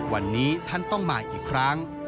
วันนี้ท่านต้องมาอีกครั้ง